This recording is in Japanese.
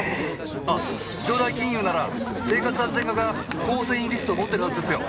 あ城代金融なら生活安全課が構成員リスト持ってるはずですよ！